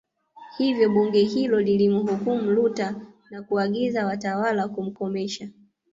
Hivyo Bunge hilo lilimhukumu Luther na kuagiza watawala wamkomeshe